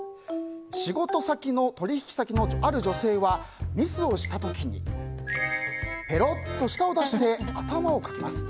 仕事の取引先の、ある女性はミスをした時にペロッと舌を出して頭をかきます。